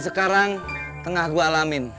sekarang tengah gue alamin